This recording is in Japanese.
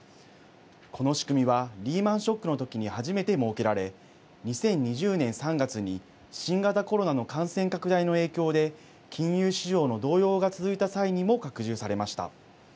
この仕組みはリーマンショックのときに初めて設けられ２０２０年３月に新型コロナの感染拡大の影響で金融市場の動揺が続いた際にも拡充されました。